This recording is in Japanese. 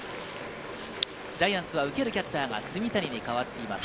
ジャイアンツは受けるキャッチャーが炭谷に代わっています。